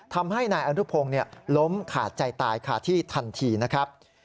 ทำให้นายอนุพงศ์ล้มขาดใจตายขาดที่ทันทีนะครับ